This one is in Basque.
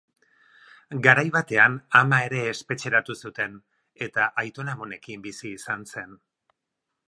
Garai batean ama ere espetxeratu zuten, eta aitona-amonekin bizi izan zen.